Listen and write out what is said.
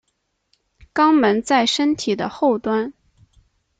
肛门在身体的后端。